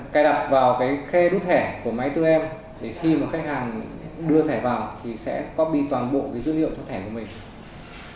cài đặt vào cái khe đút thẻ của máy tư em để khi mà khách hàng đưa thẻ vào thì sẽ copy toàn bộ cái dữ liệu cho thẻ của mình